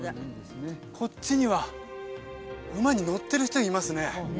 こっちには馬に乗ってる人いますね